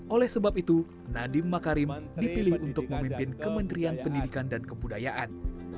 oleh sebab itu nadiem makarim dipilih untuk memimpin kementerian pendidikan dan kebudayaan